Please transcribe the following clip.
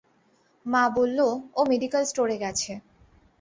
মা বললো, ও মেডিকেল স্টোরে গেছে।